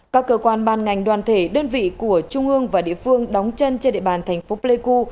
các cơ quan ban ngành đoàn thể đơn vị của trung ương và địa phương đóng chân trên địa bàn thành phố pleiku